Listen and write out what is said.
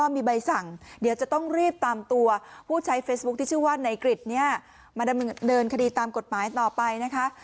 มาดำเนินคดีตามกฎหมายต่อไปนะคะ